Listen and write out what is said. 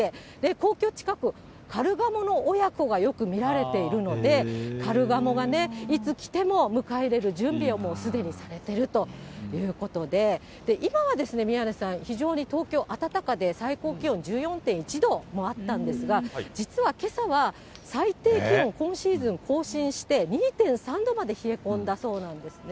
皇居近く、カルガモの親子がよく見られているので、カルガモがね、いつ来ても迎え入れる準備をもうすでにされているということで、今は宮根さん、非常に東京、暖かで、最高気温１４．１度もあったんですが、実はけさは最低気温、今シーズン更新して２．３度まで冷え込んだそうなんですね。